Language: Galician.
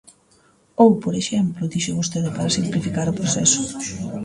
Ou, por exemplo, dixo vostede para simplificar o proceso.